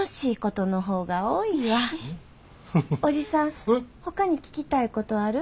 おじさんほかに聞きたいことある？